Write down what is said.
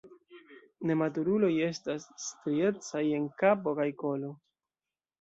Nematuruloj estas striecaj en kapo kaj kolo.